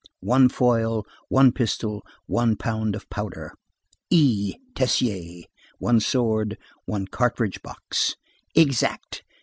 1 foil, 1 pistol, 1 pound of powder.—E. Tessier. 1 sword, 1 cartridge box. Exact.